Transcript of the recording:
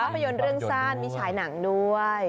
ภาพยนตร์เรื่องสั้นมีฉายหนังด้วย